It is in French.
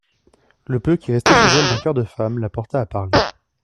Le peu qui restait chez elle d'un coeur de femme la porta à parler.